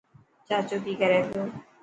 چاچو ڪي ڪري پيو.